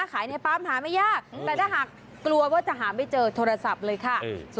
ในปั๊มหาไม่ยากแต่ถ้าหากกลัวว่าจะหาไม่เจอโทรศัพท์เลยค่ะ